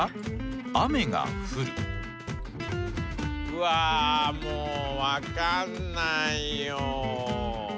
うわもうわかんないよ。